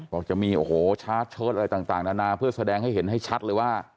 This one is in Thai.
บอกจะมีโอ้โหชาร์จเชิดอะไรต่างนานาเพื่อแสดงให้เห็นให้ชัดเลยว่า